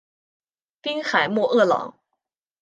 滨海莫厄朗。